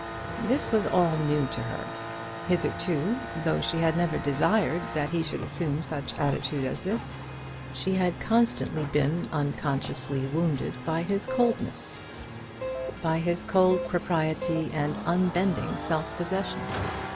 This was all new to her. Hitherto, though she had never desired that he should assume such attitude as this, she had constantly been unconsciously wounded by his coldness, by his cold propriety and unbending self possession.